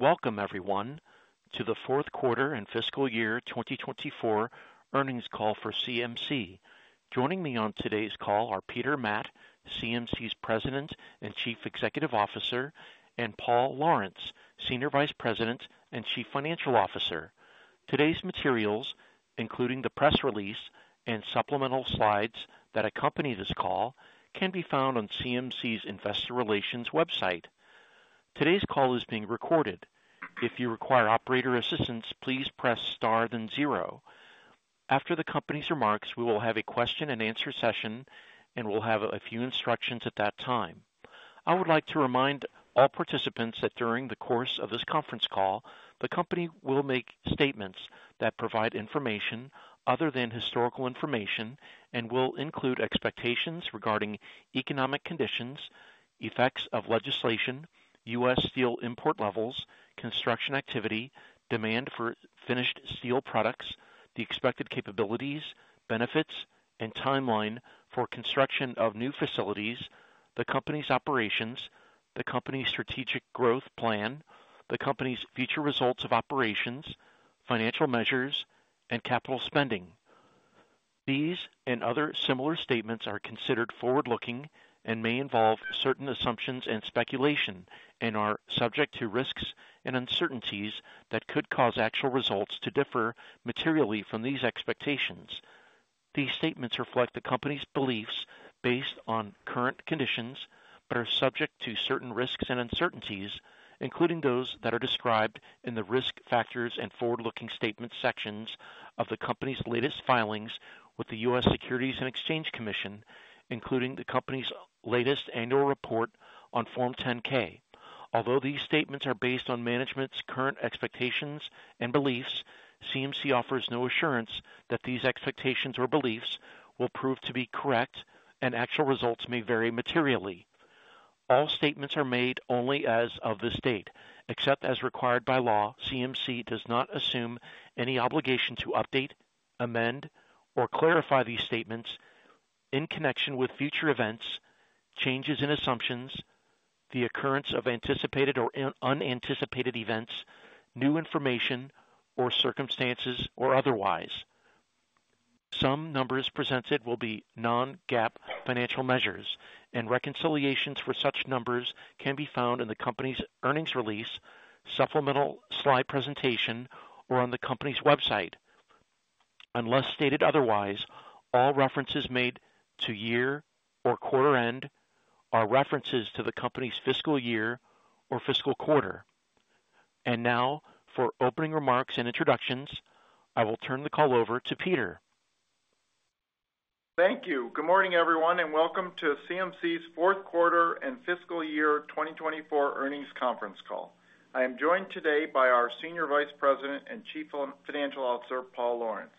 Hello, and welcome everyone, to the fourth quarter and fiscal year 2024 earnings call for CMC. Joining me on today's call are Peter Matt, CMC's President and Chief Executive Officer, and Paul Lawrence, Senior Vice President and Chief Financial Officer. Today's materials, including the press release and supplemental slides that accompany this call, can be found on CMC's Investor Relations website. Today's call is being recorded. If you require operator assistance, please press star then zero. After the company's remarks, we will have a question-and-answer session, and we'll have a few instructions at that time. I would like to remind all participants that during the course of this conference call, the company will make statements that provide information other than historical information and will include expectations regarding economic conditions, effects of legislation, U.S. steel import levels, construction activity, demand for finished steel products, the expected capabilities, benefits, and timeline for construction of new facilities, the company's operations, the company's strategic growth plan, the company's future results of operations, financial measures, and capital spending. These and other similar statements are considered forward-looking and may involve certain assumptions and speculation, and are subject to risks and uncertainties that could cause actual results to differ materially from these expectations. These statements reflect the company's beliefs based on current conditions, but are subject to certain risks and uncertainties, including those that are described in the Risk Factors and Forward-Looking Statement sections of the company's latest filings with the U.S. Securities and Exchange Commission, including the company's latest annual report on Form 10-K. Although these statements are based on management's current expectations and beliefs, CMC offers no assurance that these expectations or beliefs will prove to be correct, and actual results may vary materially. All statements are made only as of this date. Except as required by law, CMC does not assume any obligation to update, amend, or clarify these statements in connection with future events, changes in assumptions, the occurrence of anticipated or unanticipated events, new information or circumstances, or otherwise. Some numbers presented will be non-GAAP financial measures, and reconciliations for such numbers can be found in the company's earnings release, supplemental slide presentation, or on the company's website. Unless stated otherwise, all references made to year or quarter end are references to the company's fiscal year or fiscal quarter, and now, for opening remarks and introductions, I will turn the call over to Peter. Thank you. Good morning, everyone, and welcome to CMC's fourth quarter and fiscal year 2024 earnings conference call. I am joined today by our Senior Vice President and Chief Financial Officer, Paul Lawrence.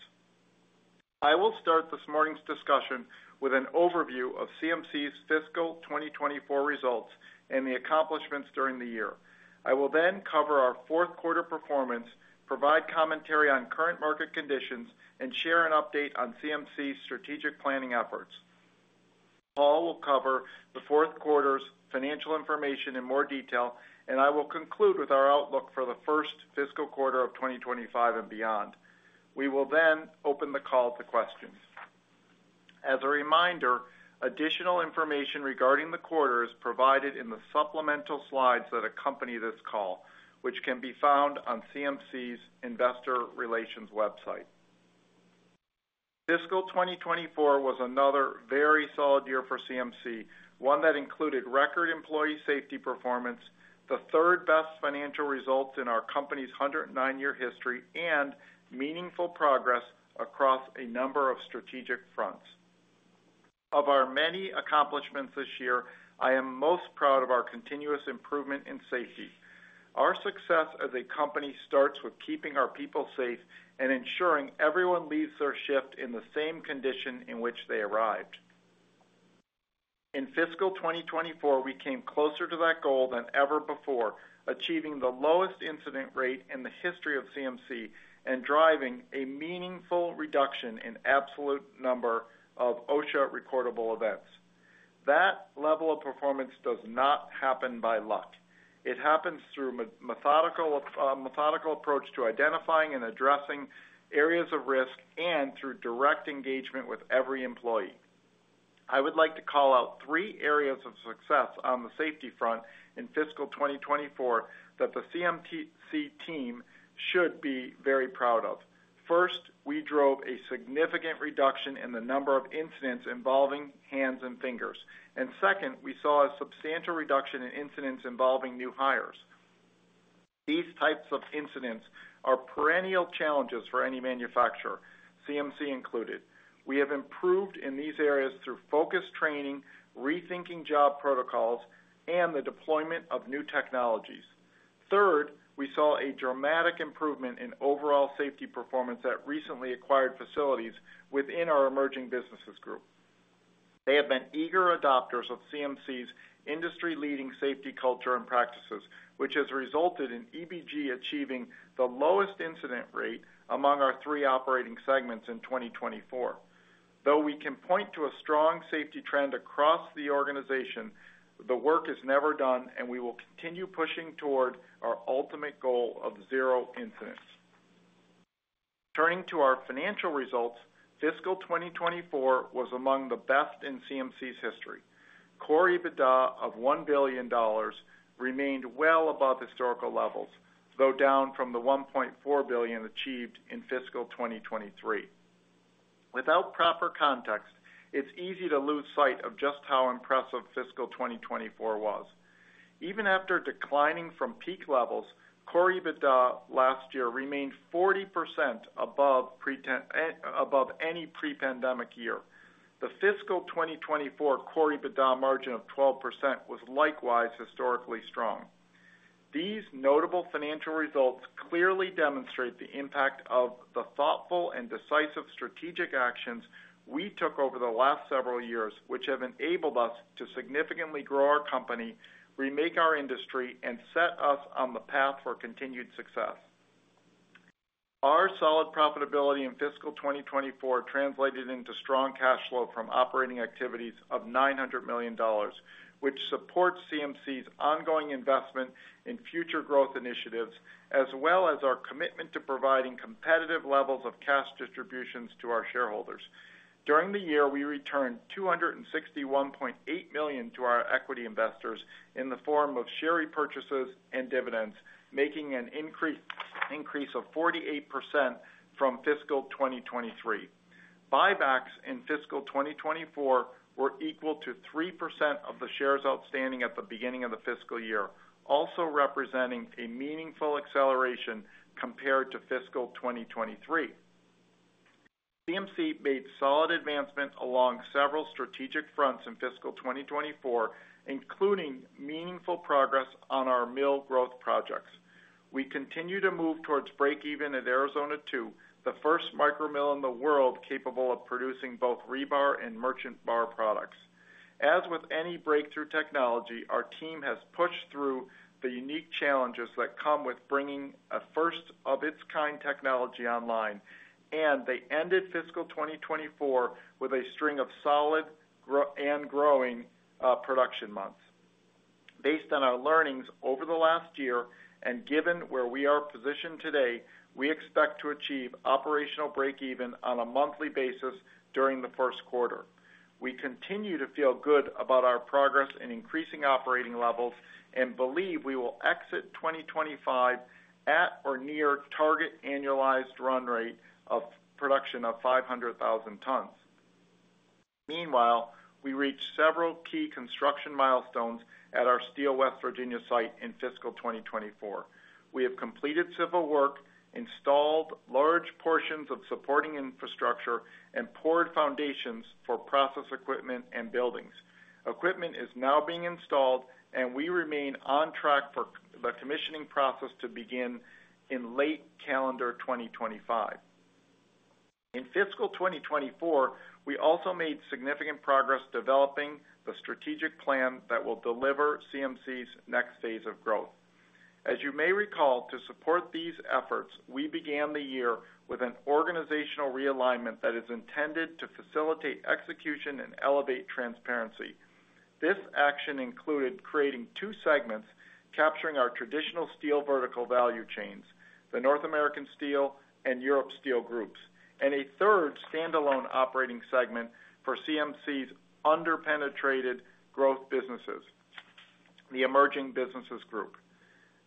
I will start this morning's discussion with an overview of CMC's fiscal 2024 results and the accomplishments during the year. I will then cover our fourth quarter performance, provide commentary on current market conditions, and share an update on CMC's strategic planning efforts. Paul will cover the fourth quarter's financial information in more detail, and I will conclude with our outlook for the first fiscal quarter of 2025 and beyond. We will then open the call to questions. As a reminder, additional information regarding the quarter is provided in the supplemental slides that accompany this call, which can be found on CMC's Investor Relations website. Fiscal 2024 was another very solid year for CMC, one that included record employee safety performance, the third-best financial results in our company's 109-year history, and meaningful progress across a number of strategic fronts. Of our many accomplishments this year, I am most proud of our continuous improvement in safety. Our success as a company starts with keeping our people safe and ensuring everyone leaves their shift in the same condition in which they arrived. In fiscal 2024, we came closer to that goal than ever before, achieving the lowest incident rate in the history of CMC and driving a meaningful reduction in absolute number of OSHA-recordable events. That level of performance does not happen by luck. It happens through a methodical approach to identifying and addressing areas of risk and through direct engagement with every employee. I would like to call out three areas of success on the safety front in fiscal 2024, that the CMC team should be very proud of. First, we drove a significant reduction in the number of incidents involving hands and fingers, and second, we saw a substantial reduction in incidents involving new hires. These types of incidents are perennial challenges for any manufacturer, CMC included. We have improved in these areas through focused training, rethinking job protocols, and the deployment of new technologies. Third, we saw a dramatic improvement in overall safety performance at recently acquired facilities within our Emerging Businesses Group. They have been eager adopters of CMC's industry-leading safety culture and practices, which has resulted in EBG achieving the lowest incident rate among our three operating segments in 2024. Though we can point to a strong safety trend across the organization, the work is never done, and we will continue pushing toward our ultimate goal of zero incidents. Turning to our financial results, fiscal 2024 was among the best in CMC's history. Core EBITDA of $1 billion remained well above historical levels, though down from the $1.4 billion achieved in fiscal 2023. Without proper context, it's easy to lose sight of just how impressive fiscal 2024 was. Even after declining from peak levels, Core EBITDA last year remained 40% above any pre-pandemic year. The fiscal 2024 core EBITDA margin of 12% was likewise historically strong. These notable financial results clearly demonstrate the impact of the thoughtful and decisive strategic actions we took over the last several years, which have enabled us to significantly grow our company, remake our industry, and set us on the path for continued success. Our solid profitability in fiscal 2024 translated into strong cash flow from operating activities of $900 million, which supports CMC's ongoing investment in future growth initiatives, as well as our commitment to providing competitive levels of cash distributions to our shareholders. During the year, we returned $261.8 million to our equity investors in the form of share repurchases and dividends, making an increase of 48% from fiscal 2023. Buybacks in fiscal 2024 were equal to 3% of the shares outstanding at the beginning of the fiscal year, also representing a meaningful acceleration compared to fiscal 2023. CMC made solid advancements along several strategic fronts in fiscal 2024, including meaningful progress on our mill growth projects. We continue to move towards breakeven at Arizona 2, the first micromill in the world capable of producing both rebar and merchant bar products. As with any breakthrough technology, our team has pushed through the unique challenges that come with bringing a first-of-its-kind technology online, and they ended fiscal 2024 with a string of solid growing production months. Based on our learnings over the last year, and given where we are positioned today, we expect to achieve operational breakeven on a monthly basis during the first quarter. We continue to feel good about our progress in increasing operating levels and believe we will exit 2025 at or near target annualized run rate of production of 500,000 tons. Meanwhile, we reached several key construction milestones at our Steel West Virginia site in fiscal 2024. We have completed civil work, installed large portions of supporting infrastructure, and poured foundations for process equipment and buildings. Equipment is now being installed, and we remain on track for the commissioning process to begin in late calendar 2025. In fiscal 2024, we also made significant progress developing the strategic plan that will deliver CMC's next phase of growth. As you may recall, to support these efforts, we began the year with an organizational realignment that is intended to facilitate execution and elevate transparency. This action included creating two segments, capturing our traditional steel vertical value chains, the North American Steel and Europe Steel Groups, and a third standalone operating segment for CMC's under-penetrated growth businesses, the Emerging Businesses Group.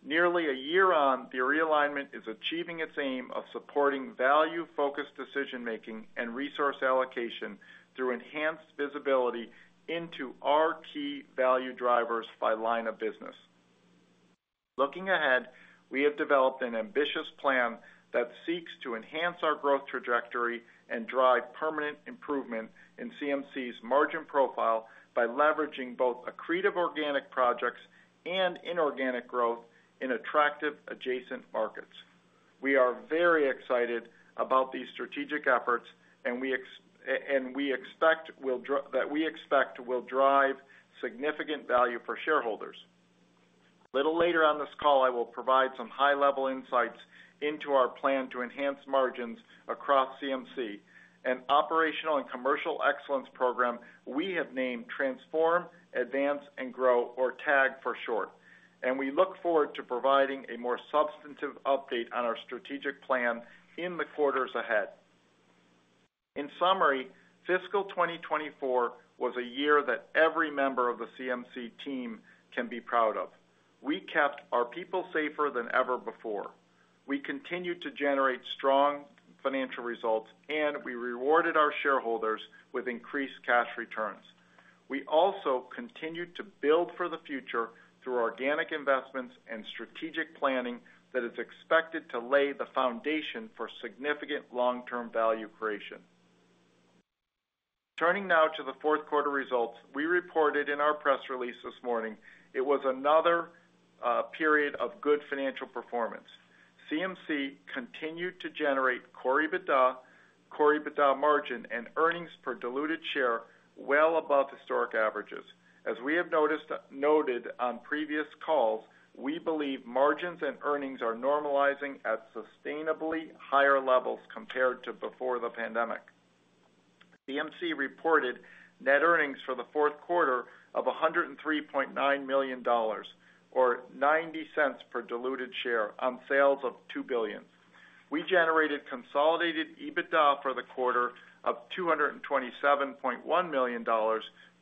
Nearly a year on, the realignment is achieving its aim of supporting value-focused decision-making and resource allocation through enhanced visibility into our key value drivers by line of business. Looking ahead, we have developed an ambitious plan that seeks to enhance our growth trajectory and drive permanent improvement in CMC's margin profile by leveraging both accretive organic projects and inorganic growth in attractive adjacent markets. We are very excited about these strategic efforts, and that we expect will drive significant value for shareholders. A little later on this call, I will provide some high-level insights into our plan to enhance margins across CMC, an operational and commercial excellence program we have named Transform, Advance, and Grow, or TAG for short. We look forward to providing a more substantive update on our strategic plan in the quarters ahead. In summary, fiscal 2024 was a year that every member of the CMC team can be proud of. We kept our people safer than ever before. We continued to generate strong financial results, and we rewarded our shareholders with increased cash returns. We also continued to build for the future through organic investments and strategic planning that is expected to lay the foundation for significant long-term value creation. Turning now to the fourth quarter results we reported in our press release this morning, it was another period of good financial performance. CMC continued to generate core EBITDA, core EBITDA margin, and earnings per diluted share well above historic averages. As we have noted on previous calls, we believe margins and earnings are normalizing at sustainably higher levels compared to before the pandemic. CMC reported net earnings for the fourth quarter of $103.9 million, or $0.90 per diluted share on sales of $2 billion. We generated consolidated EBITDA for the quarter of $227.1 million,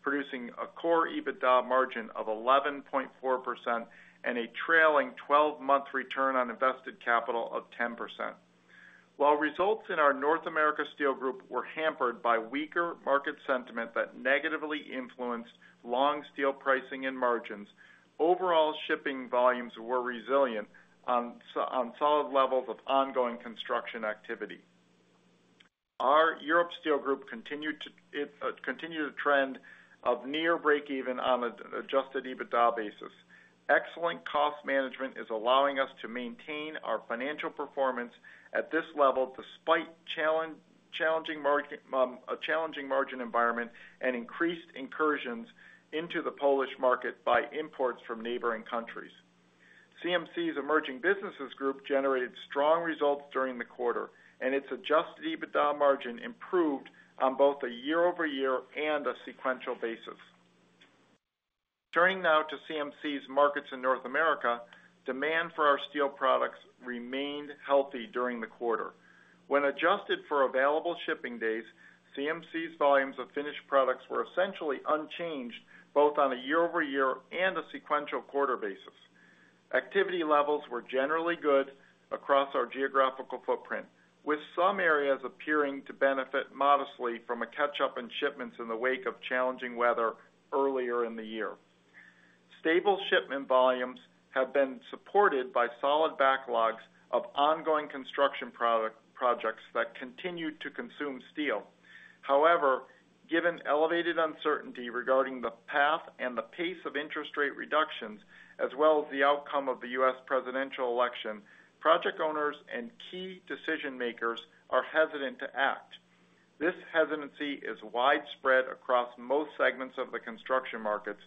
producing a core EBITDA margin of 11.4% and a trailing twelve-month return on invested capital of 10%. While results in our North America Steel Group were hampered by weaker market sentiment that negatively influenced long steel pricing and margins, overall shipping volumes were resilient on solid levels of ongoing construction activity. Our Europe Steel Group continued a trend of near breakeven on an adjusted EBITDA basis. Excellent cost management is allowing us to maintain our financial performance at this level, despite a challenging market, a challenging margin environment and increased incursions into the Polish market by imports from neighboring countries. CMC's Emerging Businesses Group generated strong results during the quarter, and its adjusted EBITDA margin improved on both a year-over-year and a sequential basis. Turning now to CMC's markets in North America, demand for our steel products remained healthy during the quarter. When adjusted for available shipping days, CMC's volumes of finished products were essentially unchanged, both on a year-over-year and a sequential quarter basis. Activity levels were generally good across our geographical footprint, with some areas appearing to benefit modestly from a catch-up in shipments in the wake of challenging weather earlier in the year. Stable shipment volumes have been supported by solid backlogs of ongoing construction projects that continue to consume steel. However, given elevated uncertainty regarding the path and the pace of interest rate reductions, as well as the outcome of the U.S. presidential election, project owners and key decision-makers are hesitant to act. This hesitancy is widespread across most segments of the construction markets,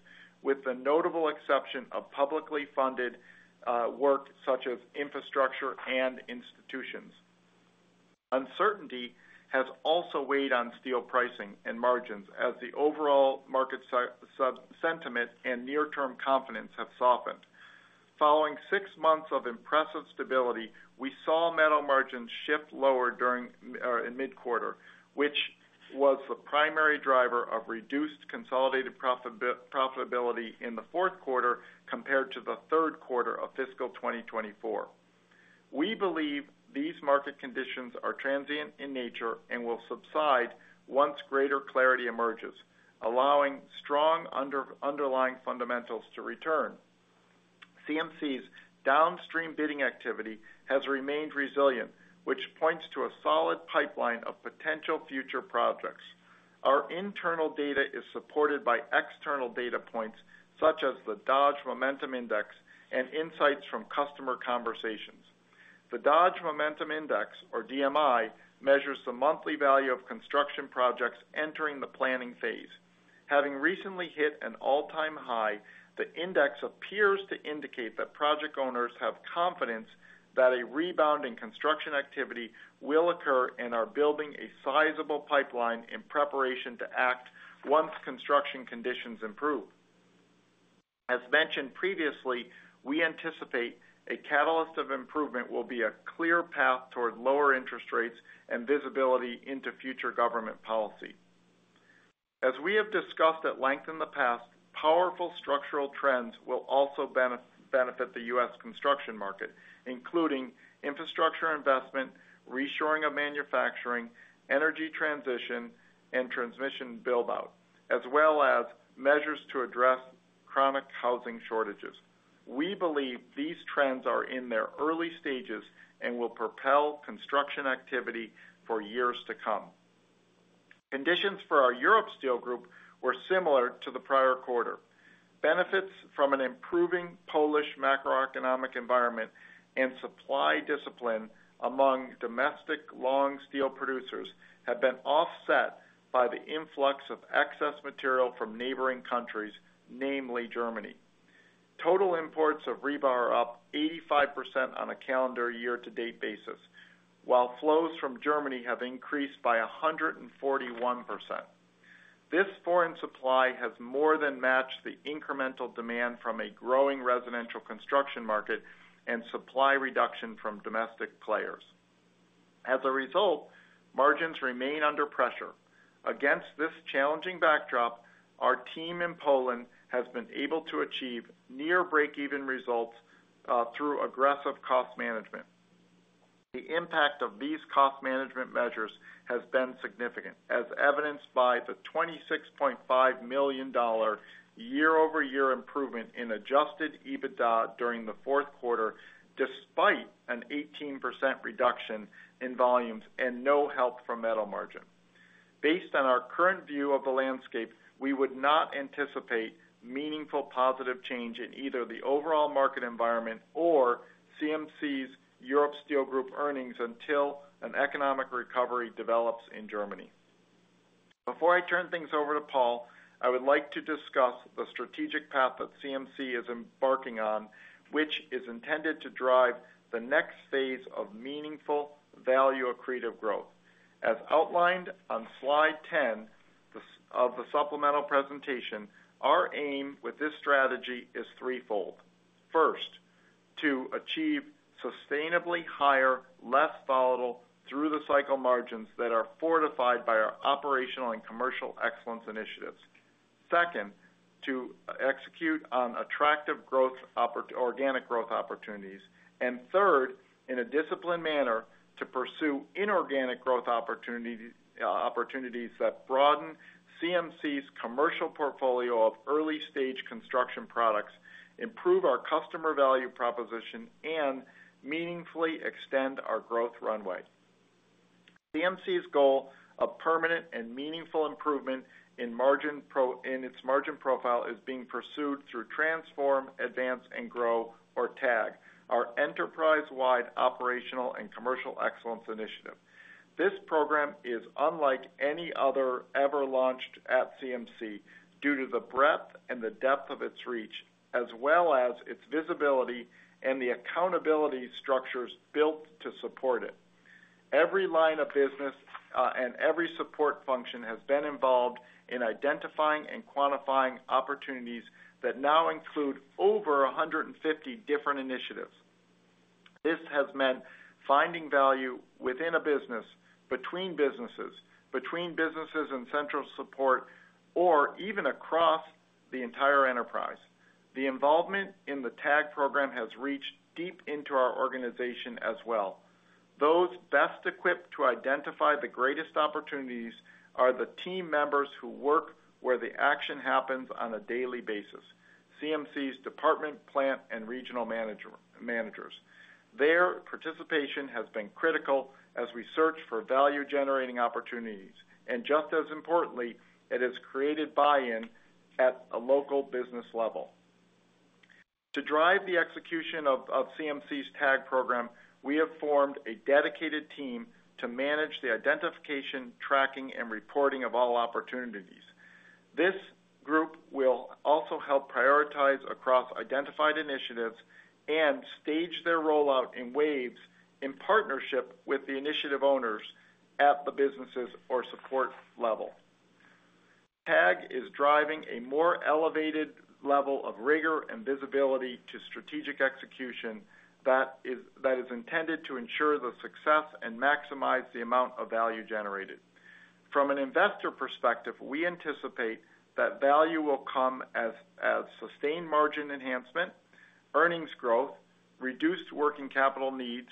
with the notable exception of publicly funded work, such as infrastructure and institutions. Uncertainty has also weighed on steel pricing and margins as the overall market sentiment and near-term confidence have softened. Following six months of impressive stability, we saw metal margins shift lower during, or in mid-quarter, which was the primary driver of reduced consolidated profitability in the fourth quarter compared to the third quarter of fiscal twenty-twenty-four. We believe these market conditions are transient in nature and will subside once greater clarity emerges, allowing strong underlying fundamentals to return. CMC's downstream bidding activity has remained resilient, which points to a solid pipeline of potential future projects. Our internal data is supported by external data points, such as the Dodge Momentum Index and insights from customer conversations. The Dodge Momentum Index, or DMI, measures the monthly value of construction projects entering the planning phase. Having recently hit an all-time high, the index appears to indicate that project owners have confidence that a rebound in construction activity will occur and are building a sizable pipeline in preparation to act once construction conditions improve. As mentioned previously, we anticipate a catalyst of improvement will be a clear path toward lower interest rates and visibility into future government policy. As we have discussed at length in the past, powerful structural trends will also benefit the U.S. construction market, including infrastructure investment, reshoring of manufacturing, energy transition, and transmission build-out, as well as measures to address chronic housing shortages. We believe these trends are in their early stages and will propel construction activity for years to come. Conditions for our Europe Steel Group were similar to the prior quarter. Benefits from an improving Polish macroeconomic environment and supply discipline among domestic long steel producers have been offset by the influx of excess material from neighboring countries, namely Germany. Total imports of rebar are up 85% on a calendar year to date basis, while flows from Germany have increased by 141%. This foreign supply has more than matched the incremental demand from a growing residential construction market and supply reduction from domestic players. As a result, margins remain under pressure. Against this challenging backdrop, our team in Poland has been able to achieve near breakeven results through aggressive cost management. The impact of these cost management measures has been significant, as evidenced by the $26.5 million year-over-year improvement in adjusted EBITDA during the fourth quarter, despite an 18% reduction in volumes and no help from metal margin. Based on our current view of the landscape, we would not anticipate meaningful positive change in either the overall market environment or CMC's Europe Steel Group earnings until an economic recovery develops in Germany. Before I turn things over to Paul, I would like to discuss the strategic path that CMC is embarking on, which is intended to drive the next phase of meaningful, value-accretive growth. As outlined on slide 10 of the supplemental presentation, our aim with this strategy is threefold. First, to achieve sustainably higher, less volatile through-the-cycle margins that are fortified by our operational and commercial excellence initiatives. Second, to execute on attractive organic growth opportunities. And third, in a disciplined manner, to pursue inorganic growth opportunities that broaden CMC's commercial portfolio of early-stage construction products, improve our customer value proposition, and meaningfully extend our growth runway. CMC's goal of permanent and meaningful improvement in its margin profile is being pursued through Transform, Advance, and Grow, or TAG, our enterprise-wide operational and commercial excellence initiative. This program is unlike any other ever launched at CMC due to the breadth and the depth of its reach, as well as its visibility and the accountability structures built to support it. Every line of business and every support function has been involved in identifying and quantifying opportunities that now include over one hundred and fifty different initiatives. This has meant finding value within a business, between businesses, between businesses and central support, or even across the entire enterprise. The involvement in the TAG program has reached deep into our organization as well. Those best equipped to identify the greatest opportunities are the team members who work where the action happens on a daily basis, CMC's department, plant, and regional managers. Their participation has been critical as we search for value-generating opportunities, and just as importantly, it has created buy-in at a local business level. To drive the execution of CMC's TAG program, we have formed a dedicated team to manage the identification, tracking, and reporting of all opportunities. This group will also help prioritize across identified initiatives and stage their rollout in waves, in partnership with the initiative owners at the businesses or support level. TAG is driving a more elevated level of rigor and visibility to strategic execution that is intended to ensure the success and maximize the amount of value generated. From an investor perspective, we anticipate that value will come as sustained margin enhancement, earnings growth, reduced working capital needs,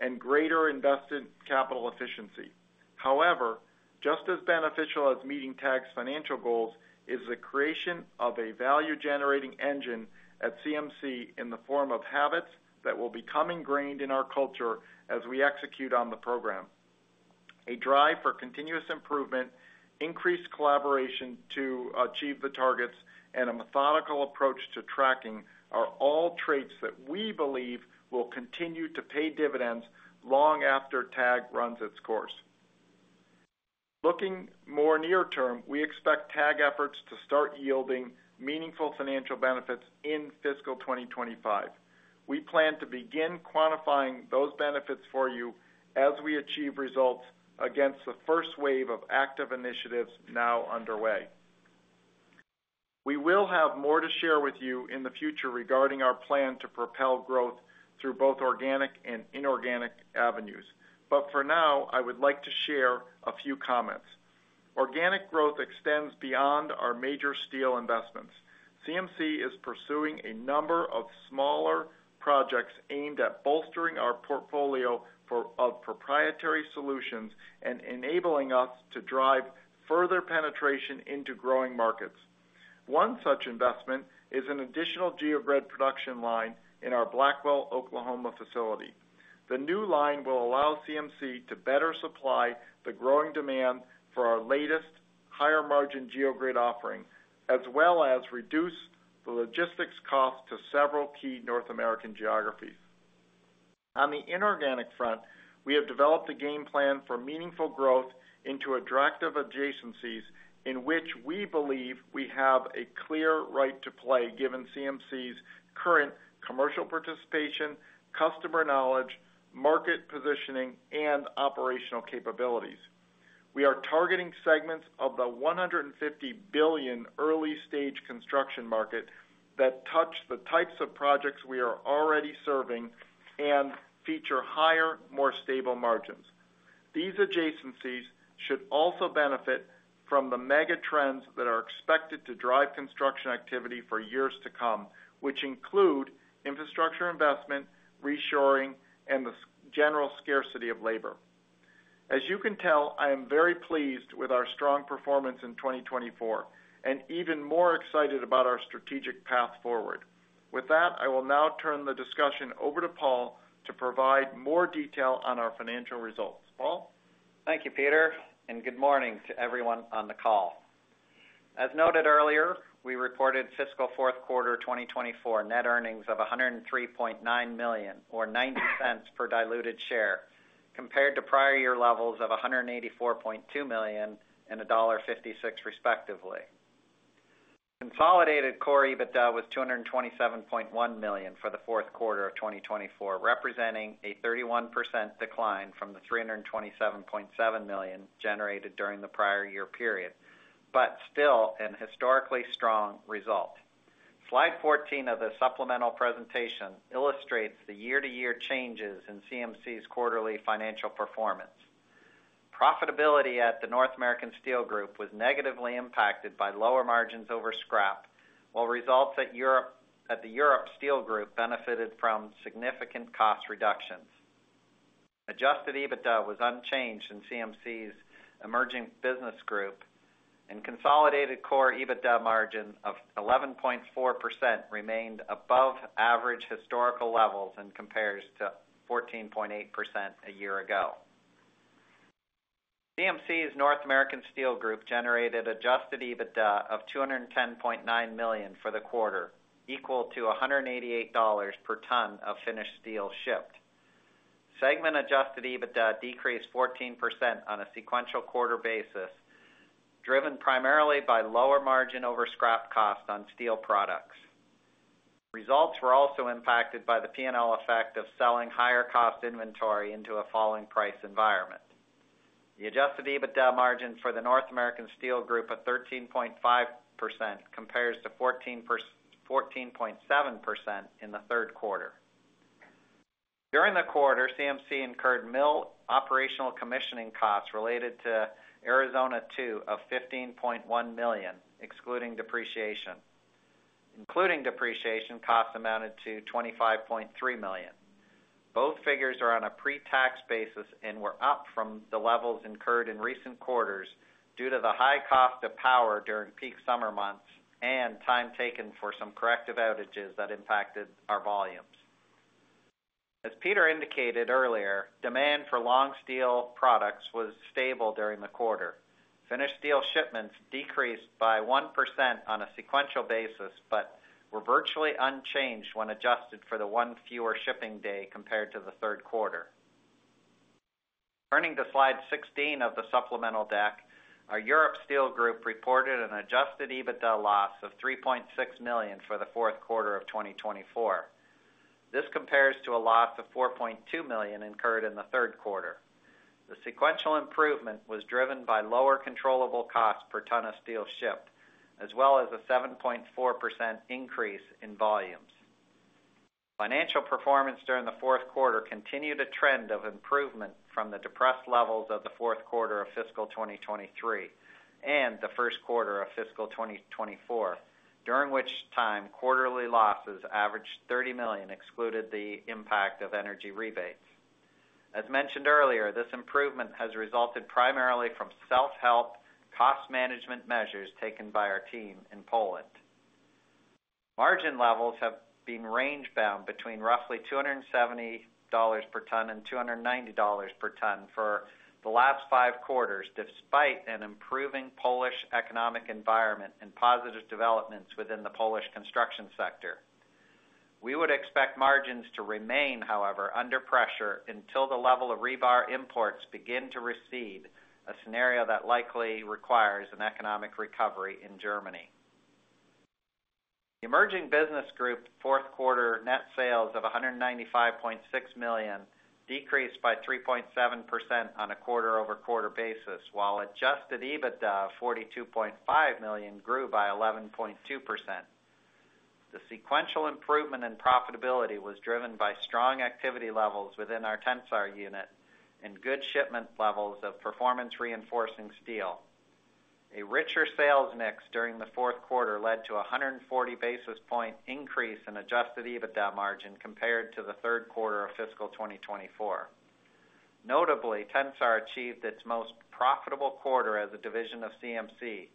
and greater invested capital efficiency. However, just as beneficial as meeting TAG's financial goals is the creation of a value-generating engine at CMC in the form of habits that will become ingrained in our culture as we execute on the program. A drive for continuous improvement, increased collaboration to achieve the targets, and a methodical approach to tracking are all traits that we believe will continue to pay dividends long after TAG runs its course. Looking more near term, we expect TAG efforts to start yielding meaningful financial benefits in fiscal 2025. We plan to begin quantifying those benefits for you as we achieve results against the first wave of active initiatives now underway. We will have more to share with you in the future regarding our plan to propel growth through both organic and inorganic avenues. But for now, I would like to share a few comments. Organic growth extends beyond our major steel investments. CMC is pursuing a number of smaller projects aimed at bolstering our portfolio of proprietary solutions and enabling us to drive further penetration into growing markets. One such investment is an additional geogrid production line in our Blackwell, Oklahoma, facility. The new line will allow CMC to better supply the growing demand for our latest, higher-margin geogrid offering, as well as reduce the logistics cost to several key North American geographies. On the inorganic front, we have developed a game plan for meaningful growth into attractive adjacencies in which we believe we have a clear right to play, given CMC's current commercial participation, customer knowledge, market positioning, and operational capabilities. We are targeting segments of the $150 billion early-stage construction market that touch the types of projects we are already serving and feature higher, more stable margins. These adjacencies should also benefit from the mega trends that are expected to drive construction activity for years to come, which include infrastructure investment, reshoring, and the general scarcity of labor. As you can tell, I am very pleased with our strong performance in 2024, and even more excited about our strategic path forward. With that, I will now turn the discussion over to Paul to provide more detail on our financial results. Paul? Thank you, Peter, and good morning to everyone on the call. As noted earlier, we reported fiscal fourth quarter 2024 net earnings of $103.9 million, or $0.90 per diluted share, compared to prior year levels of $184.2 million and $1.56, respectively. Consolidated core EBITDA was $227.1 million for the fourth quarter of 2024, representing a 31% decline from the $327.7 million generated during the prior year period, but still a historically strong result. Slide 14 of the supplemental presentation illustrates the year-to-year changes in CMC's quarterly financial performance. Profitability at the North American Steel Group was negatively impacted by lower margins over scrap, while results at the Europe Steel Group benefited from significant cost reductions. Adjusted EBITDA was unchanged in CMC's Emerging Business Group, and consolidated core EBITDA margin of 11.4% remained above average historical levels and compares to 14.8% a year ago. CMC's North American Steel Group generated adjusted EBITDA of $210.9 million for the quarter, equal to $188 per ton of finished steel shipped. Segment adjusted EBITDA decreased 14% on a sequential quarter basis, driven primarily by lower margin over scrap cost on steel products. Results were also impacted by the P&L effect of selling higher cost inventory into a falling price environment. The adjusted EBITDA margin for the North American Steel Group of 13.5% compares to 14.7% in the third quarter. During the quarter, CMC incurred mill operational commissioning costs related to Arizona 2 of $15.1 million, excluding depreciation. Including depreciation, costs amounted to $25.3 million. Both figures are on a pre-tax basis and were up from the levels incurred in recent quarters due to the high cost of power during peak summer months and time taken for some corrective outages that impacted our volumes. As Peter indicated earlier, demand for long steel products was stable during the quarter. Finished steel shipments decreased by 1% on a sequential basis, but were virtually unchanged when adjusted for the one fewer shipping day compared to the third quarter. Turning to slide 16 of the supplemental deck, our Europe Steel Group reported an adjusted EBITDA loss of $3.6 million for the fourth quarter of 2024. This compares to a loss of $4.2 million incurred in the third quarter. The sequential improvement was driven by lower controllable costs per ton of steel shipped, as well as a 7.4% increase in volumes. Financial performance during the fourth quarter continued a trend of improvement from the depressed levels of the fourth quarter of fiscal 2023 and the first quarter of fiscal 2024, during which time, quarterly losses averaged $30 million, excluded the impact of energy rebates. As mentioned earlier, this improvement has resulted primarily from self-help cost management measures taken by our team in Poland. Margin levels have been range-bound between roughly $270 per ton and $290 per ton for the last five quarters, despite an improving Polish economic environment and positive developments within the Polish construction sector. We would expect margins to remain, however, under pressure until the level of rebar imports begin to recede, a scenario that likely requires an economic recovery in Germany. Emerging Business Group, fourth quarter net sales of $195.6 million decreased by 3.7% on a quarter-over-quarter basis, while adjusted EBITDA of $42.5 million grew by 11.2%. The sequential improvement in profitability was driven by strong activity levels within our Tensar unit and good shipment levels of performance-reinforcing steel. A richer sales mix during the fourth quarter led to a 140 basis point increase in adjusted EBITDA margin compared to the third quarter of fiscal 2024. Notably, Tensar achieved its most profitable quarter as a division of CMC,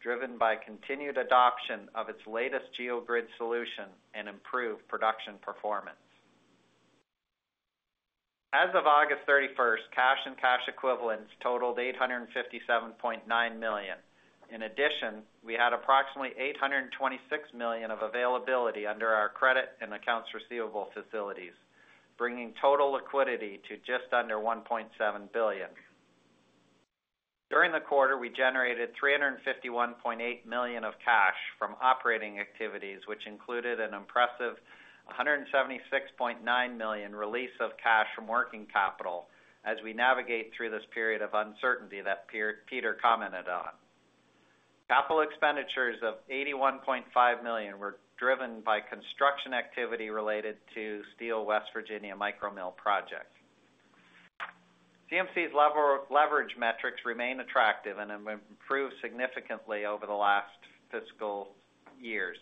driven by continued adoption of its latest geogrid solution and improved production performance. As of August 31st, cash and cash equivalents totaled $857.9 million. In addition, we had approximately $826 million of availability under our credit and accounts receivable facilities, bringing total liquidity to just under $1.7 billion. During the quarter, we generated $351.8 million of cash from operating activities, which included an impressive $176.9 million release of cash from working capital as we navigate through this period of uncertainty that Peter commented on. Capital expenditures of $81.5 million were driven by construction activity related to Steel West Virginia micromill project. CMC's leverage metrics remain attractive and have improved significantly over the last fiscal years.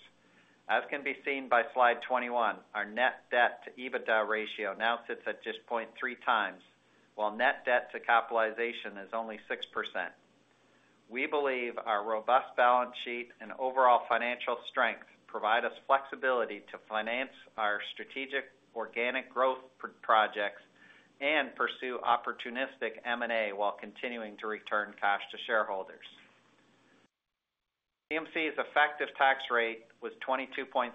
As can be seen by slide 21, our net debt-to-EBITDA ratio now sits at just 0.3x, while net debt-to-capitalization is only 6%. We believe our robust balance sheet and overall financial strength provide us flexibility to finance our strategic organic growth projects and pursue opportunistic M&A while continuing to return cash to shareholders. CMC's effective tax rate was 22.3%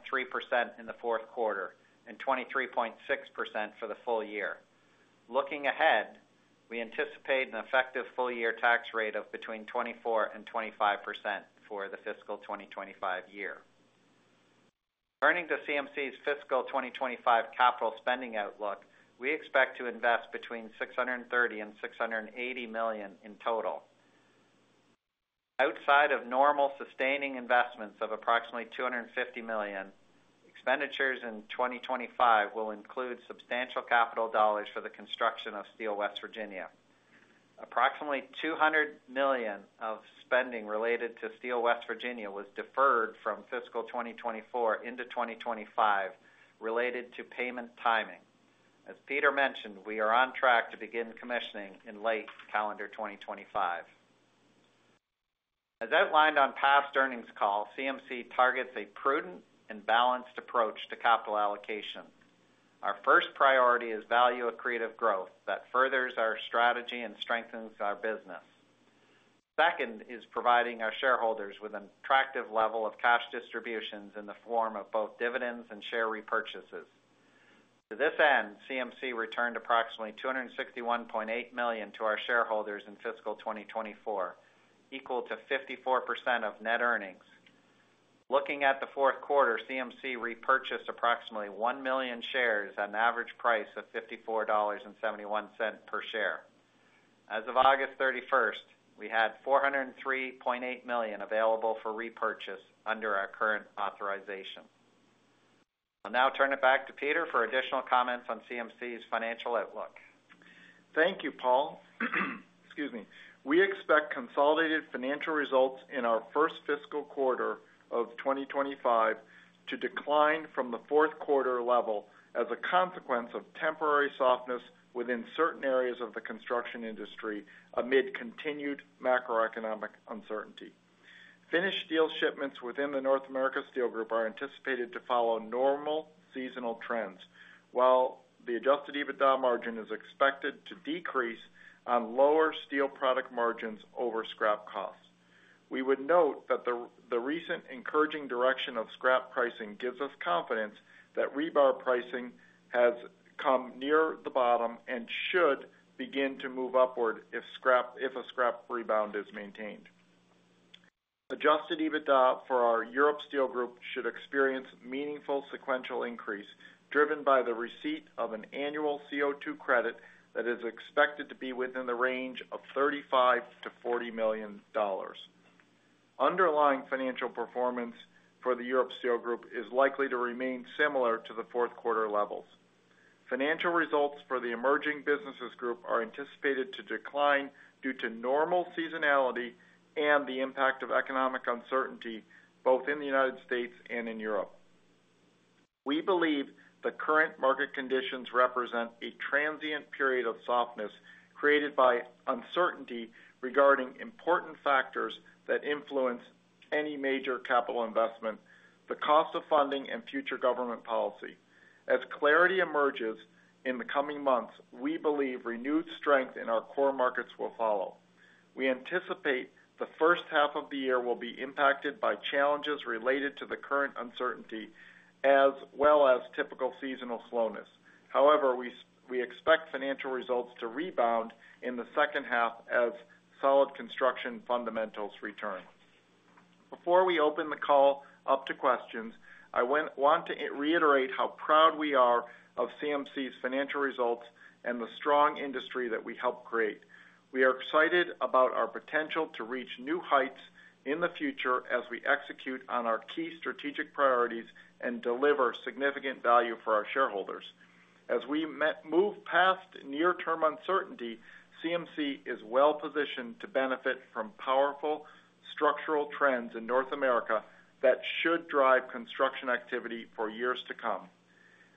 in the fourth quarter and 23.6% for the full year. Looking ahead, we anticipate an effective full-year tax rate of between 24% and 25% for the fiscal 2025 year. Turning to CMC's fiscal 2025 capital spending outlook, we expect to invest between $630 million and $680 million in total. Outside of normal sustaining investments of approximately $250 million, expenditures in 2025 will include substantial capital dollars for the construction of Steel West Virginia. Approximately $200 million of spending related to Steel West Virginia was deferred from fiscal 2024 into 2025 related to payment timing. As Peter mentioned, we are on track to begin commissioning in late calendar 2025. As outlined on past earnings call, CMC targets a prudent and balanced approach to capital allocation. Our first priority is value-accretive growth that furthers our strategy and strengthens our business. Second is providing our shareholders with an attractive level of cash distributions in the form of both dividends and share repurchases. To this end, CMC returned approximately $261.8 million to our shareholders in fiscal 2024, equal to 54% of net earnings. Looking at the fourth quarter, CMC repurchased approximately 1 million shares on an average price of $54.71 per share. As of August 31st, we had $403.8 million available for repurchase under our current authorization. I'll now turn it back to Peter for additional comments on CMC's financial outlook. Thank you, Paul. Excuse me. We expect consolidated financial results in our first fiscal quarter of 2025 to decline from the fourth quarter level as a consequence of temporary softness within certain areas of the construction industry amid continued macroeconomic uncertainty. Finished steel shipments within the North America Steel Group are anticipated to follow normal seasonal trends, while the adjusted EBITDA margin is expected to decrease on lower steel product margins over scrap costs. We would note that the recent encouraging direction of scrap pricing gives us confidence that rebar pricing has come near the bottom if a scrap rebound in maintained. Adjusted EBITDA for our Europe Steel Group should experience meaningful sequential increase, driven by the receipt of an annual CO2 credit that is expected to be within the range of $35 million-$40 million. Underlying financial performance for the Europe Steel Group is likely to remain similar to the fourth quarter levels. Financial results for the Emerging Businesses Group are anticipated to decline due to normal seasonality and the impact of economic uncertainty, both in the United States and in Europe. We believe the current market conditions represent a transient period of softness created by uncertainty regarding important factors that influence any major capital investment, the cost of funding, and future government policy. As clarity emerges in the coming months, we believe renewed strength in our core markets will follow. We anticipate the first half of the year will be impacted by challenges related to the current uncertainty, as well as typical seasonal slowness. However, we expect financial results to rebound in the second half as solid construction fundamentals return. Before we open the call up to questions, I want to reiterate how proud we are of CMC's financial results and the strong industry that we helped create. We are excited about our potential to reach new heights in the future as we execute on our key strategic priorities and deliver significant value for our shareholders. As we move past near-term uncertainty, CMC is well-positioned to benefit from powerful structural trends in North America that should drive construction activity for years to come.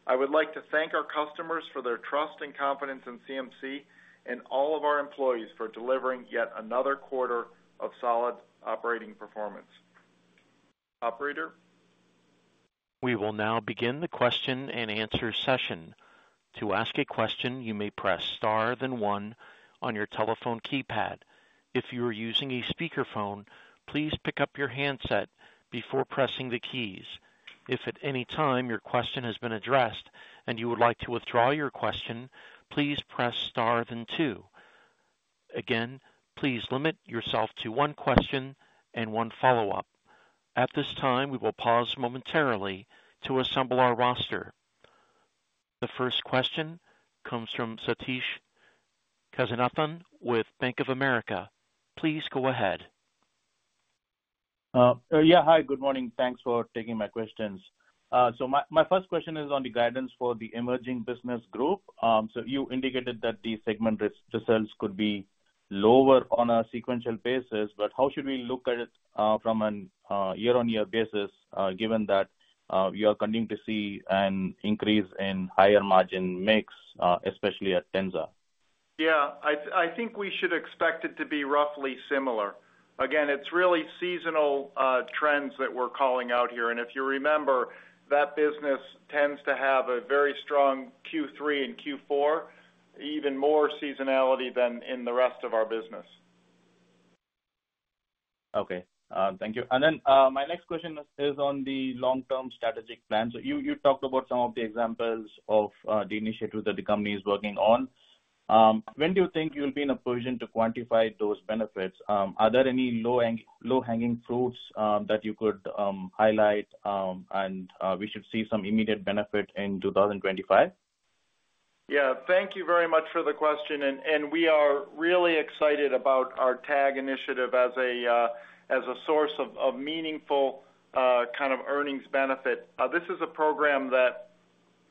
I would like to thank our customers for their trust and confidence in CMC and all of our employees for delivering yet another quarter of solid operating performance. Operator? We will now begin the question-and-answer session. To ask a question, you may press star, then one on your telephone keypad. If you are using a speakerphone, please pick up your handset before pressing the keys. If at any time your question has been addressed and you would like to withdraw your question, please press star, then two. Again, please limit yourself to one question and one follow-up. At this time, we will pause momentarily to assemble our roster. The first question comes from Sathish Kasinathan with Bank of America. Please go ahead. Yeah. Hi, good morning. Thanks for taking my questions. So my first question is on the guidance for the Emerging Business Group. So you indicated that the segment results could be lower on a sequential basis, but how should we look at it from a year-on-year basis, given that you are continuing to see an increase in higher-margin mix, especially at Tensar? Yeah, I think we should expect it to be roughly similar. Again, it's really seasonal trends that we're calling out here, and if you remember, that business tends to have a very strong Q3 and Q4, even more seasonality than in the rest of our business. Okay, thank you. And then my next question is on the long-term strategic plan. So you talked about some of the examples of the initiatives that the company is working on. When do you think you'll be in a position to quantify those benefits? Are there any low-hanging fruits that you could highlight, and we should see some immediate benefit in two thousand and twenty-five? Yeah, thank you very much for the question, and we are really excited about our TAG initiative as a source of meaningful kind of earnings benefit. This is a program that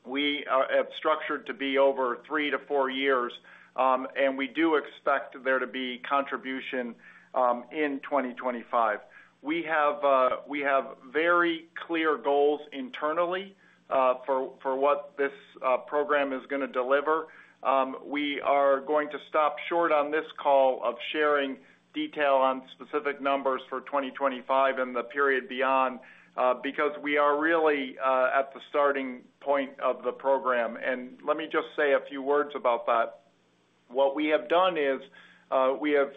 we have structured to be over three to four years, and we do expect there to be contribution in 2025. We have very clear goals internally for what this program is gonna deliver. We are going to stop short on this call of sharing detail on specific numbers for 2025 and the period beyond, because we are really at the starting point of the program, and let me just say a few words about that. What we have done is, we have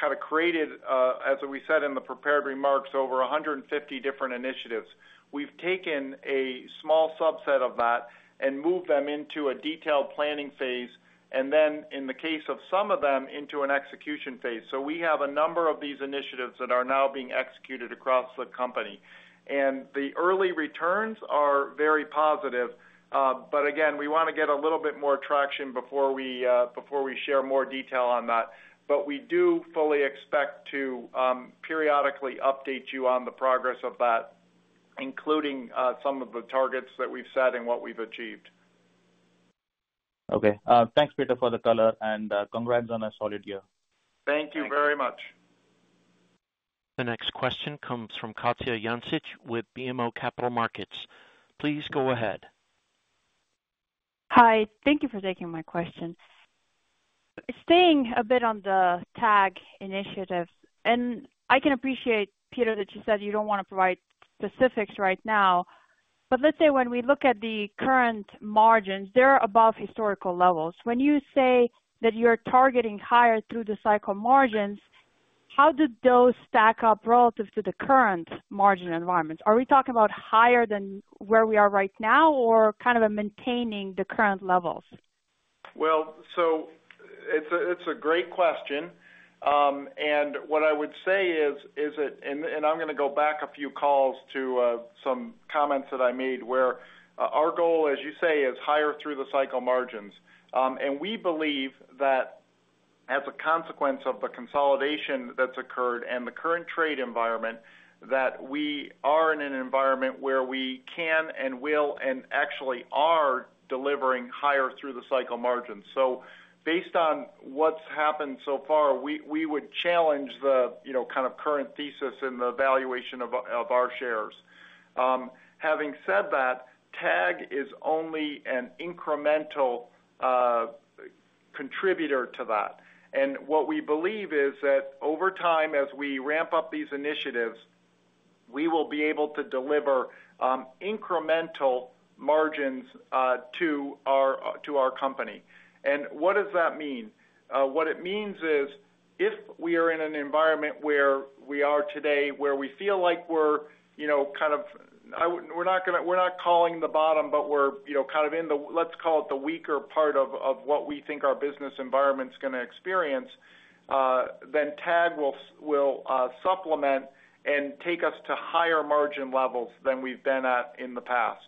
kind of created, as we said in the prepared remarks, over 150 different initiatives. We've taken a small subset of that and moved them into a detailed planning phase, and then, in the case of some of them, into an execution phase. We have a number of these initiatives that are now being executed across the company, and the early returns are very positive. Again, we wanna get a little bit more traction before we share more detail on that. We do fully expect to periodically update you on the progress of that, including some of the targets that we've set and what we've achieved. Okay. Thanks, Peter, for the color, and congrats on a solid year. Thank you very much. The next question comes from Katja Jancic with BMO Capital Markets. Please go ahead. Hi, thank you for taking my question. Staying a bit on the TAG initiative, and I can appreciate, Peter, that you said you don't want to provide specifics right now. But let's say when we look at the current margins, they're above historical levels. When you say that you're targeting higher through-the-cycle margins, how do those stack up relative to the current margin environment? Are we talking about higher than where we are right now, or kind of maintaining the current levels? Well, so it's a great question. And what I would say is that. And I'm gonna go back a few calls to some comments that I made, where our goal, as you say, is higher through-the-cycle margins. And we believe that as a consequence of the consolidation that's occurred and the current trade environment, that we are in an environment where we can and will and actually are delivering higher through-the-cycle margins. So based on what's happened so far, we would challenge the, you know, kind of current thesis and the valuation of our shares. Having said that, TAG is only an incremental contributor to that. And what we believe is that over time, as we ramp up these initiatives, we will be able to deliver incremental margins to our company. And what does that mean? What it means is, if we are in an environment where we are today, where we feel like we're, you know, kind of... We're not calling the bottom, but we're, you know, kind of in the, let's call it, the weaker part of what we think our business environment's gonna experience, then TAG will supplement and take us to higher margin levels than we've been at in the past.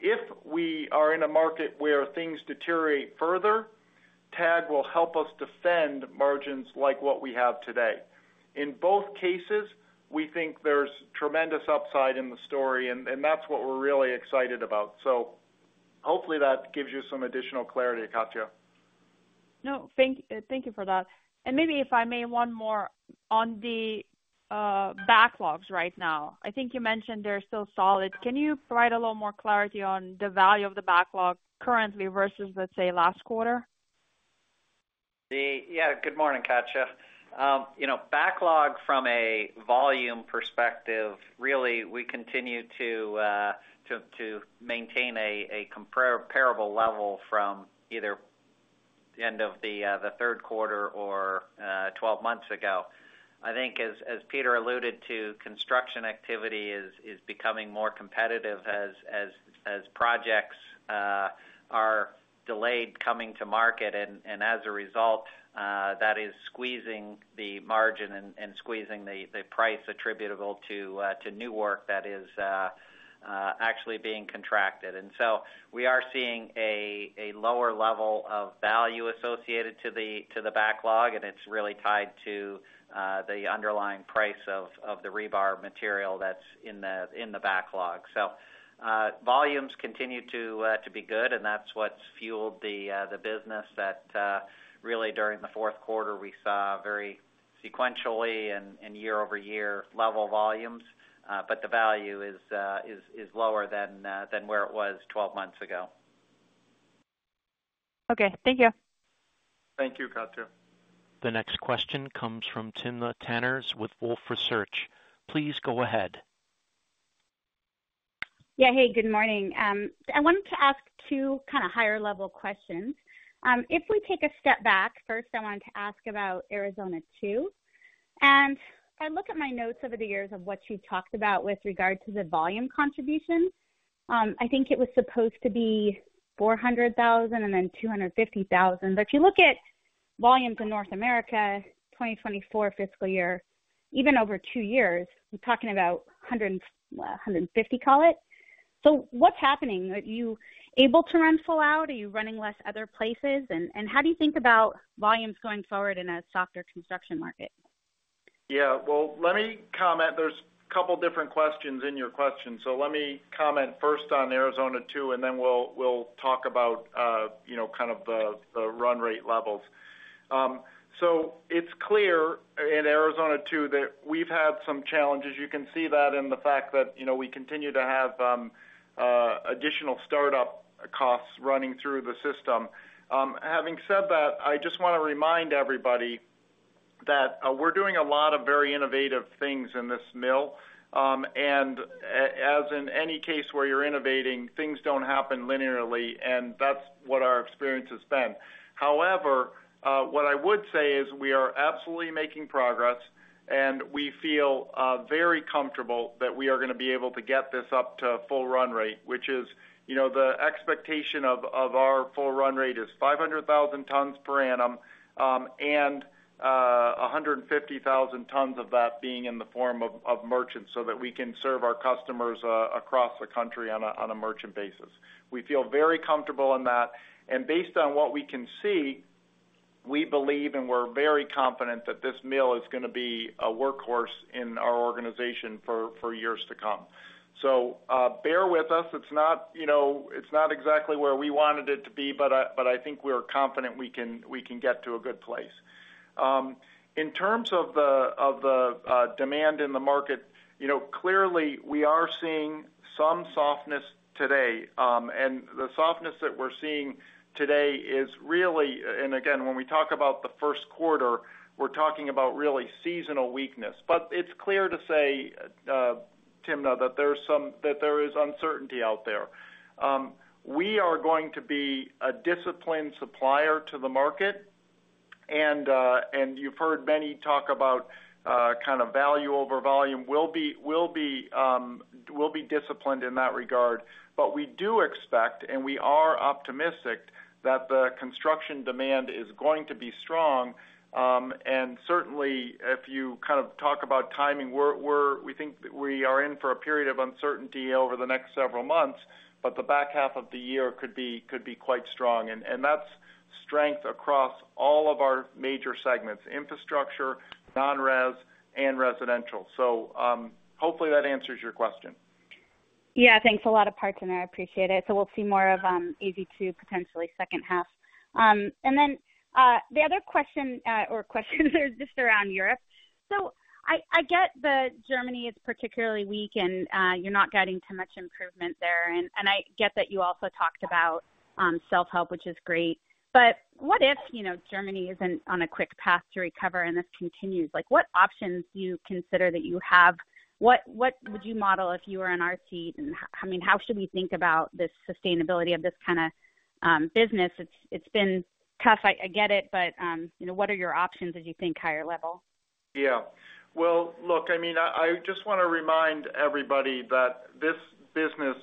If we are in a market where things deteriorate further, TAG will help us defend margins like what we have today. In both cases, we think there's tremendous upside in the story, and that's what we're really excited about. So hopefully that gives you some additional clarity, Katja. No, thank you for that. And maybe, if I may, one more on the backlogs right now. I think you mentioned they're still solid. Can you provide a little more clarity on the value of the backlog currently versus, let's say, last quarter? Yeah. Good morning, Katja. You know, backlog from a volume perspective, really, we continue to maintain a comparable level from either the end of the third quarter or twelve months ago. I think as Peter alluded to, construction activity is becoming more competitive as projects are delayed coming to market, and as a result, that is squeezing the margin and squeezing the price attributable to new work that is actually being contracted. And so we are seeing a lower level of value associated to the backlog, and it's really tied to the underlying price of the rebar material that's in the backlog. Volumes continue to be good, and that's what's fueled the business that really, during the fourth quarter, we saw very strong sequentially and year-over-year elevated volumes, but the value is lower than where it was twelve months ago. Okay. Thank you. Thank you, Katja. The next question comes from Timna Tanners with Wolfe Research. Please go ahead. Yeah. Hey, good morning. I wanted to ask two kind of higher-level questions. If we take a step back, first, I wanted to ask about Arizona 2. And I look at my notes over the years of what you've talked about with regard to the volume contributions. I think it was supposed to be four hundred thousand and then two hundred and fifty thousand. But if you look at volumes in North America, 2024 fiscal year, even over two years, we're talking about a hundred and, well, a hundred and fifty, call it. So what's happening? Are you able to run full out? Are you running less other places? And, and how do you think about volumes going forward in a softer construction market? Yeah, well, let me comment. There's a couple different questions in your question, so let me comment first on Arizona 2, and then we'll talk about, you know, kind of the run rate levels. So it's clear in Arizona 2, that we've had some challenges. You can see that in the fact that, you know, we continue to have additional startup costs running through the system. Having said that, I just want to remind everybody that we're doing a lot of very innovative things in this mill, and as in any case where you're innovating, things don't happen linearly, and that's what our experience has been. However, what I would say is we are absolutely making progress, and we feel very comfortable that we are gonna be able to get this up to full run rate, which is, you know, the expectation of our full run rate is five hundred thousand tons per annum, and a hundred and fifty thousand tons of that being in the form of merchants, so that we can serve our customers across the country on a merchant basis. We feel very comfortable in that, and based on what we can see, we believe, and we're very confident that this mill is gonna be a workhorse in our organization for years to come. So, bear with us. It's not, you know, it's not exactly where we wanted it to be, but, but I think we're confident we can get to a good place. In terms of the demand in the market, you know, clearly we are seeing some softness today. And the softness that we're seeing today is really... Again, when we talk about the first quarter, we're talking about really seasonal weakness. It's clear to say, Timna, that there is uncertainty out there. We are going to be a disciplined supplier to the market, and, and you've heard Benny talk about kind of value over volume. We'll be disciplined in that regard. We do expect, and we are optimistic that the construction demand is going to be strong. And certainly, if you kind of talk about timing, we think we are in for a period of uncertainty over the next several months, but the back half of the year could be quite strong, and that's strength across all of our major segments: infrastructure, non-res, and residential. So, hopefully, that answers your question. Yeah, thanks. A lot of parts in there. I appreciate it. So we'll see more of Arizona 2, potentially second half. And then, the other question, or questions are just around Europe. So I get that Germany is particularly weak, and you're not getting too much improvement there. And I get that you also talked about self-help, which is great. But what if, you know, Germany isn't on a quick path to recover and this continues? Like, what options do you consider that you have? What would you model if you were in our seat? And I mean, how should we think about the sustainability of this kind of business? It's been tough, I get it, but you know, what are your options as you think higher level? Yeah. Well, look, I mean, I just wanna remind everybody that this business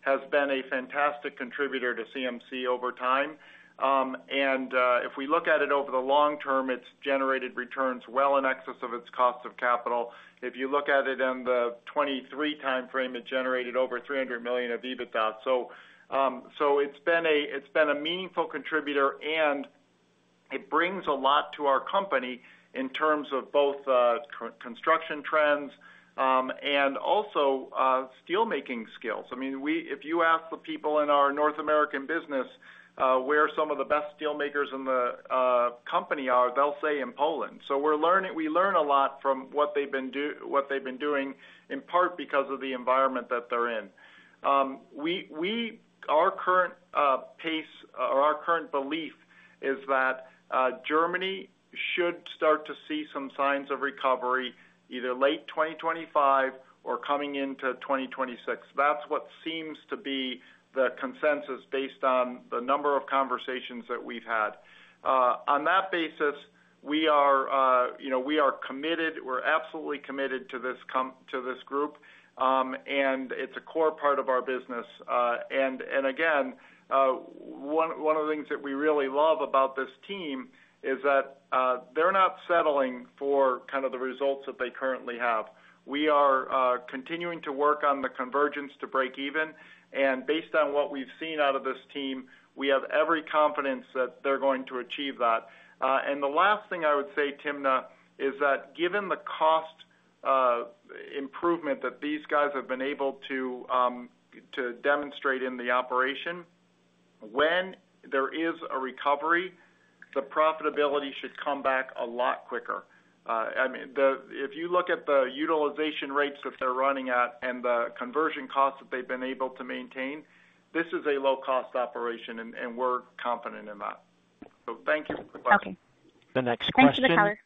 has been a fantastic contributor to CMC over time. And if we look at it over the long term, it's generated returns well in excess of its cost of capital. If you look at it in the 2023 timeframe, it generated over $300 million of EBITDA. So it's been a meaningful contributor, and it brings a lot to our company in terms of both construction trends and also steelmaking skills. I mean, if you ask the people in our North American business where some of the best steelmakers in the company are, they'll say in Poland. So we learn a lot from what they've been doing, in part because of the environment that they're in. Our current pace, or our current belief is that Germany should start to see some signs of recovery either late 2025 or coming into 2026. That's what seems to be the consensus based on the number of conversations that we've had. On that basis, you know, we are committed, we're absolutely committed to this group, and it's a core part of our business. And again, one of the things that we really love about this team is that they're not settling for kind of the results that they currently have. We are continuing to work on the convergence to break even, and based on what we've seen out of this team, we have every confidence that they're going to achieve that. And the last thing I would say, Timna, is that given the cost improvement that these guys have been able to demonstrate in the operation, when there is a recovery, the profitability should come back a lot quicker. I mean, if you look at the utilization rates that they're running at and the conversion costs that they've been able to maintain, this is a low-cost operation, and we're confident in that. So thank you for the question. Okay. The next question- Thanks for the color.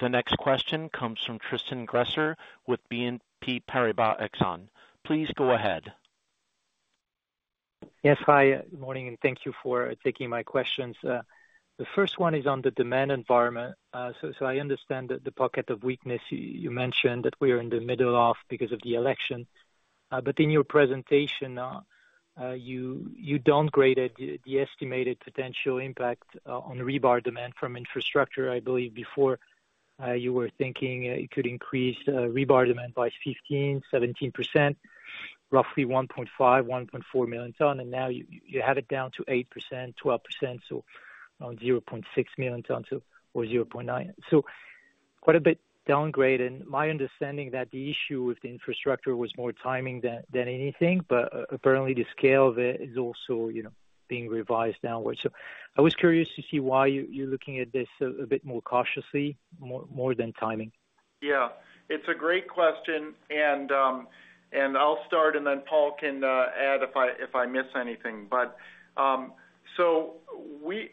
The next question comes from Tristan Gresser with BNP Paribas Exane. Please go ahead. Yes. Hi, good morning, and thank you for taking my questions. The first one is on the demand environment. So I understand that the pocket of weakness you mentioned that we are in the middle of because of the election. But in your presentation, you downgraded the estimated potential impact on rebar demand from infrastructure. I believe before you were thinking it could increase rebar demand by 15%-17%, roughly 1.5-1.4 million ton, and now you have it down to 8%-12%, so around 0.6 million tons or 0.9. So quite a bit downgraded. My understanding that the issue with the infrastructure was more timing than anything, but apparently the scale of it is also, you know, being revised downward. So I was curious to see why you're looking at this a bit more cautiously, more than timing. Yeah, it's a great question, and I'll start, and then Paul can add if I miss anything. But so we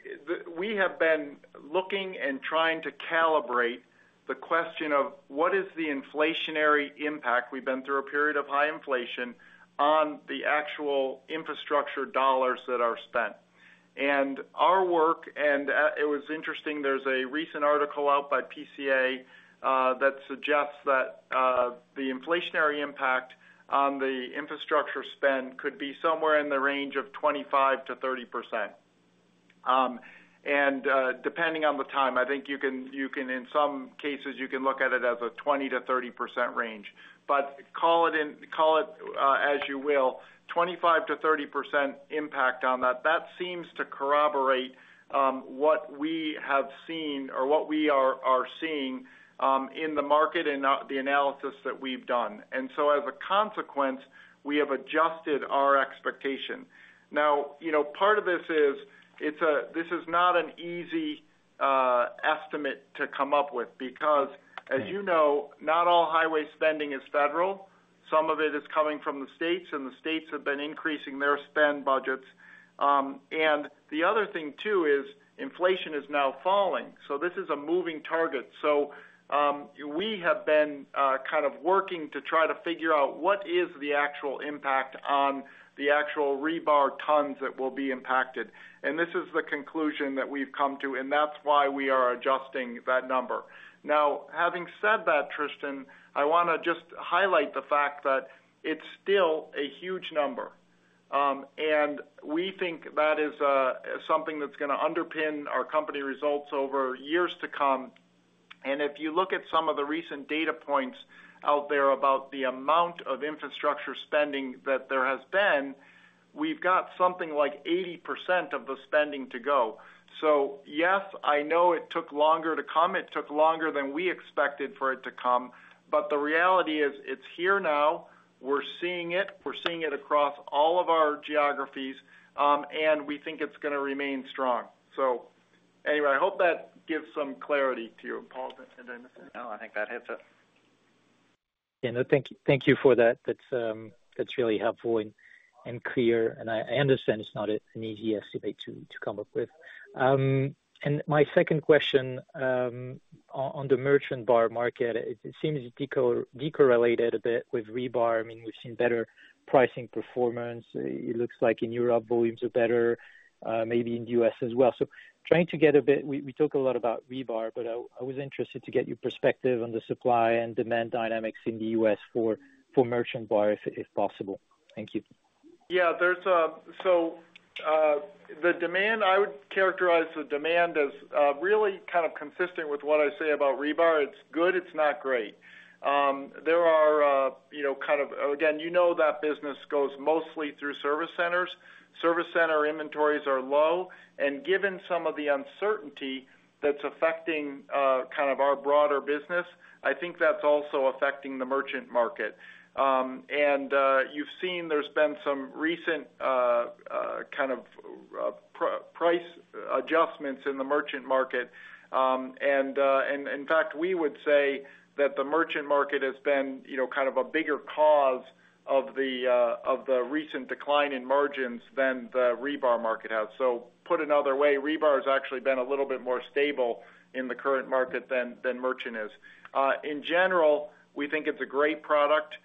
have been looking and trying to calibrate the question of what is the inflationary impact. We've been through a period of high inflation on the actual infrastructure dollars that are spent. And our work, and it was interesting, there's a recent article out by PCA that suggests that the inflationary impact on the infrastructure spend could be somewhere in the range of 25%-30%. And depending on the time, I think you can in some cases look at it as a 20%-30% range. But call it as you will, 25%-30% impact on that. That seems to corroborate what we have seen or what we are seeing in the market and from the analysis that we've done. And so as a consequence, we have adjusted our expectation. Now, you know, part of this is. This is not an easy estimate to come up with, because, as you know, not all highway spending is federal. Some of it is coming from the states, and the states have been increasing their spending budgets. And the other thing, too, is inflation is now falling, so this is a moving target. So, we have been kind of working to try to figure out what is the actual impact on the actual rebar tons that will be impacted. And this is the conclusion that we've come to, and that's why we are adjusting that number. Now, having said that, Tristan, I wanna just highlight the fact that it's still a huge number, and we think that is something that's gonna underpin our company results over years to come, and if you look at some of the recent data points out there about the amount of infrastructure spending that there has been, we've got something like 80% of the spending to go, so yes, I know it took longer to come. It took longer than we expected for it to come, but the reality is, it's here now, we're seeing it, we're seeing it across all of our geographies, and we think it's gonna remain strong, so anyway, I hope that gives some clarity to you. Paul, did I miss anything? No, I think that hits it. Yeah, no, thank you, thank you for that. That's really helpful and clear, and I understand it's not an easy estimate to come up with, and my second question on the merchant bar market, it seems decorrelated a bit with rebar. I mean, we've seen better pricing performance. It looks like in Europe, volumes are better, maybe in the U.S. as well. So, trying to get a bit. We talk a lot about rebar, but I was interested to get your perspective on the supply and demand dynamics in the U.S. for merchant bar, if possible. Thank you. Yeah, there's a. So, the demand, I would characterize the demand as really kind of consistent with what I say about rebar. It's good, it's not great. There are, you know, kind of, again, you know, that business goes mostly through service centers. Service center inventories are low, and given some of the uncertainty that's affecting kind of our broader business, I think that's also affecting the merchant market. And, you've seen there's been some recent kind of price adjustments in the merchant market. And, in fact, we would say that the merchant market has been, you know, kind of a bigger cause of the recent decline in margins than the rebar market has. So put another way, rebar has actually been a little bit more stable in the current market than merchant is. In general, we think it's a great product.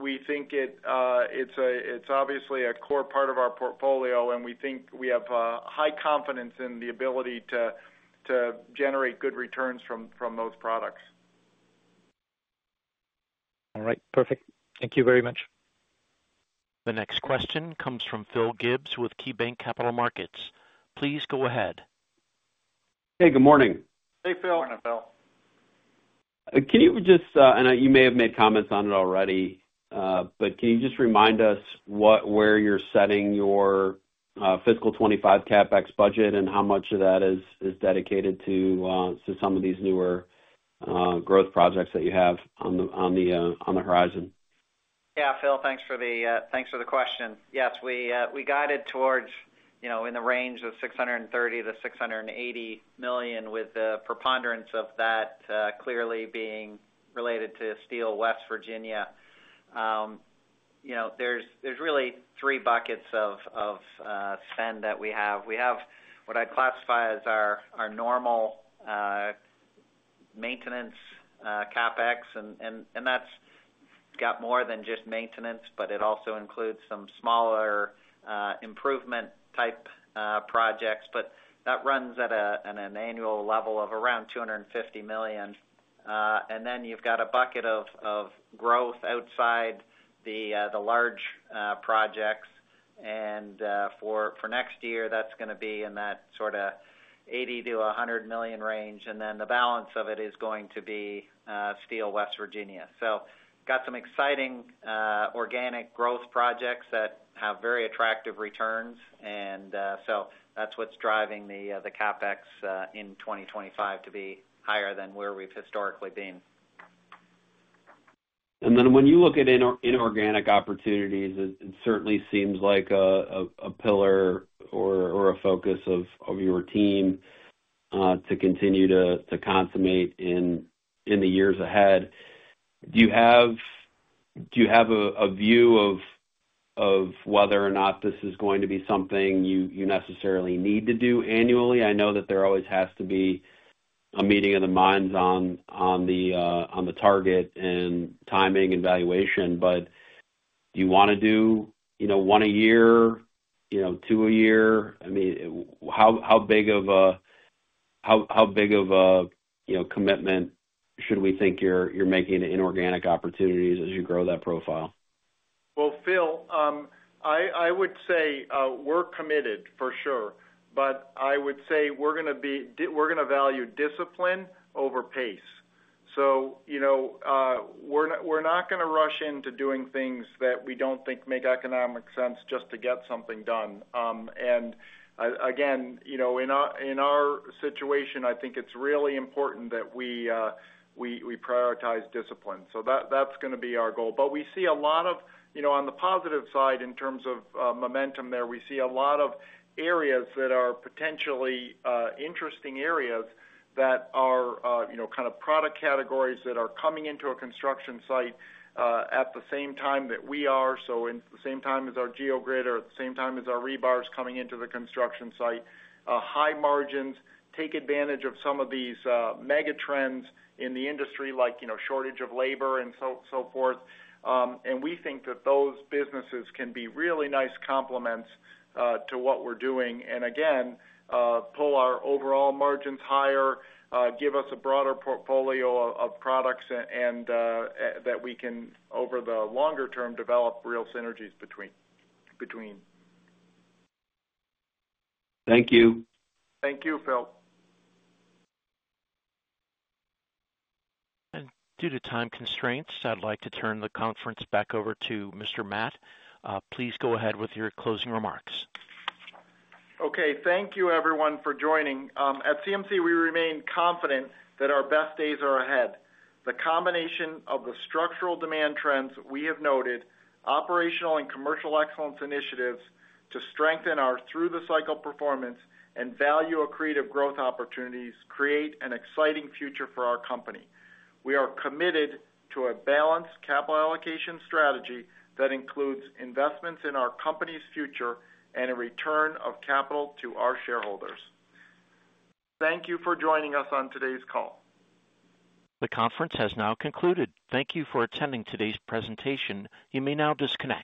We think it, it's a, it's obviously a core part of our portfolio, and we think we have high confidence in the ability to generate good returns from those products. All right. Perfect. Thank you very much. The next question comes from Phil Gibbs with KeyBanc Capital Markets. Please go ahead. Hey, good morning. Hey, Phil. Morning, Phil. Can you just, I know you may have made comments on it already, but can you just remind us where you're setting your fiscal twenty-five CapEx budget and how much of that is dedicated to some of these newer growth projects that you have on the horizon? Yeah, Phil, thanks for the question. Yes, we guided towards, you know, in the range of $630 million-$680 million, with the preponderance of that clearly being related to Steel West Virginia. You know, there's really three buckets of spend that we have. We have what I'd classify as our normal maintenance CapEx, and that's got more than just maintenance, but it also includes some smaller improvement type projects. But that runs at an annual level of around $250 million. And then you've got a bucket of growth outside the large projects. For next year, that's gonna be in that sorta $80 million-$100 million range, and then the balance of it is going to be Steel West Virginia. So got some exciting organic growth projects that have very attractive returns, and so that's what's driving the CapEx in 2025 to be higher than where we've historically been. And then when you look at inorganic opportunities, it certainly seems like a pillar or a focus of your team to continue to consummate in the years ahead. Do you have a view of whether or not this is going to be something you necessarily need to do annually? I know that there always has to be a meeting of the minds on the target and timing and valuation, but do you wanna do one a year, you know, two a year? I mean, how big of a commitment should we think you're making in inorganic opportunities as you grow that profile? Phil, I would say we're committed, for sure, but I would say we're gonna value discipline over pace. You know, we're not gonna rush into doing things that we don't think make economic sense just to get something done, and again, you know, in our situation, I think it's really important that we prioritize discipline. That's gonna be our goal. But we see a lot of... You know, on the positive side, in terms of momentum there, we see a lot of areas that are potentially interesting areas that are, you know, kind of product categories that are coming into a construction site at the same time that we are, so in the same time as our geogrid or at the same time as our rebar is coming into the construction site. High margins take advantage of some of these mega trends in the industry, like, you know, shortage of labor and so forth, and we think that those businesses can be really nice complements to what we're doing, and again, pull our overall margins higher, give us a broader portfolio of products and that we can, over the longer term, develop real synergies between. Thank you. Thank you, Phil. And due to time constraints, I'd like to turn the conference back over to Mr. Matt. Please go ahead with your closing remarks. Okay. Thank you everyone for joining. At CMC, we remain confident that our best days are ahead. The combination of the structural demand trends we have noted, operational and commercial excellence initiatives to strengthen our through-the-cycle performance and value accretive growth opportunities create an exciting future for our company. We are committed to a balanced capital allocation strategy that includes investments in our company's future and a return of capital to our shareholders. Thank you for joining us on today's call. The conference has now concluded. Thank you for attending today's presentation. You may now disconnect.